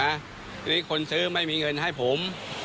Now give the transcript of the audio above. อันนี้คนซื้อไม่มีเงินให้ผม